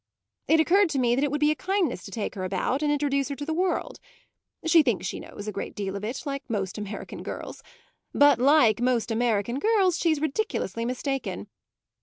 It occurred to me that it would be a kindness to take her about and introduce her to the world. She thinks she knows a great deal of it like most American girls; but like most American girls she's ridiculously mistaken.